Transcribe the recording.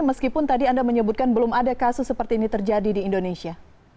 meskipun tadi anda menyebutkan belum ada kasus seperti ini terjadi di indonesia